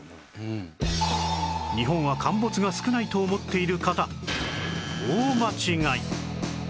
日本は陥没が少ないと思っている方大間違い